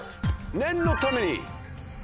念のために。